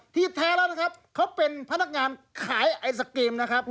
แท้แล้วนะครับเขาเป็นพนักงานขายไอศกรีมนะครับ